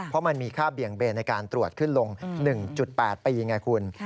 เพราะมันมีค่าเบี่ยงเบนในการตรวจขึ้นลง๑๘ปีไงคุณ